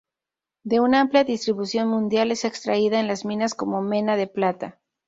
De una amplia distribución mundial, es extraída en las minas como mena de plata.